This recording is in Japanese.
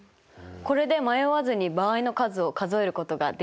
これで迷わずに場合の数を数えることができそうですね。